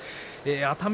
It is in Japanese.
熱海